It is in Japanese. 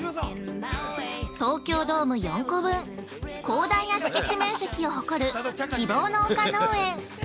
◆東京ドーム４個分、広大な敷地面積を誇る希望の丘農園。